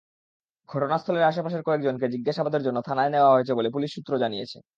ঘটনাস্থলের আশপাশের কয়েকজনকে জিজ্ঞাসাবাদের জন্য থানায় নেওয়া হয়েছে বলে পুলিশ সূত্র জানিয়েছে।